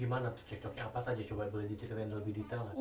gimana tuh cekcoknya apa saja coba boleh diceritain lebih detail lagi